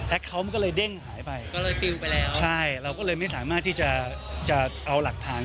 แอคเคาท์มันก็เลยเด้งหายไปใช่เราก็เลยไม่สามารถที่จะเอาหลักฐาน